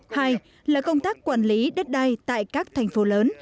hai là công tác quản lý đất đai tại các thành phố lớn